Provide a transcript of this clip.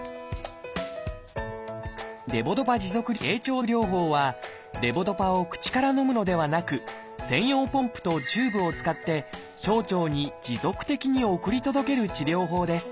「レボドパ持続経腸療法」はレボドパを口からのむのではなく専用ポンプとチューブを使って小腸に持続的に送り届ける治療法です